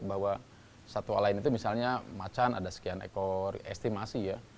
bahwa satwa lain itu misalnya macan ada sekian ekor estimasi ya